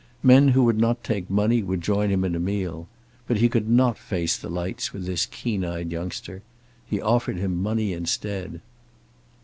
Men who would not take money would join him in a meal. But he could not face the lights with this keen eyed youngster. He offered him money instead.